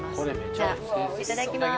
じゃあいただきます。